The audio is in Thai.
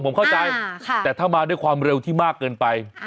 ผมเข้าใจแต่ถ้ามาด้วยความเร็วที่มากเกินไป